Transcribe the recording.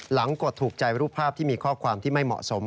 กดถูกใจรูปภาพที่มีข้อความที่ไม่เหมาะสม